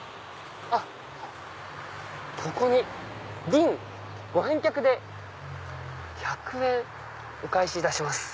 あっここに「ビンご返却で１００円お返し致します」。